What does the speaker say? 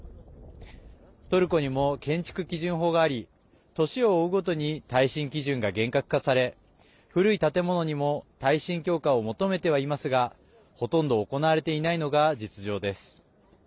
トルコにも建築基準法があり年を追うごとに耐震基準が厳格化され古い建物にも耐震強化を求めてはいますがほとんど行われていないのが実情です。